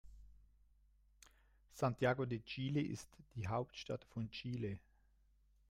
Santiago de Chile ist die Hauptstadt von Chile.